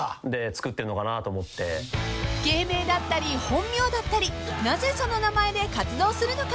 ［芸名だったり本名だったりなぜその名前で活動するのか？］